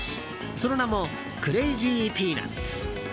その名もクレイジーピーナッツ。